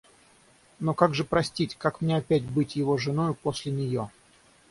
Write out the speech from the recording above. Но как же простить, как мне опять быть его женою после нее?